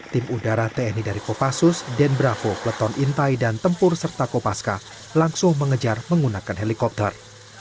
tim udara tni dari kopassus denbravo peleton intai dan tempur serta kopaska langsung mengejar menggunakan helikopter